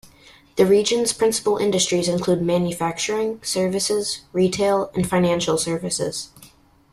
The region's principal industries include manufacturing, services, retail, and financial services.